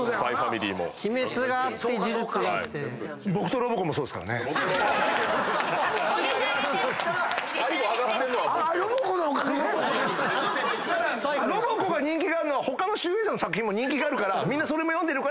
『ロボコ』が人気があるのは他の集英社の作品も人気があるからみんなそれも読んでるからパロディーが。